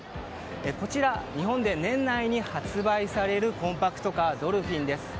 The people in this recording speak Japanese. こちらは日本で年内に発売されるコンパクトカー、ドルフィンです。